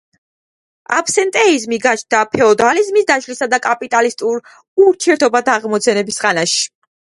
აბსენტეიზმი გაჩნდა ფეოდალიზმის დაშლისა და კაპიტალისტურ ურთიერთობათა აღმოცენების ხანაში.